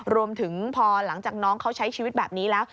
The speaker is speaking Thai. รวมถึงพอหลังจากน้องเขาใช้ชีวิตแบบนี้แล้ว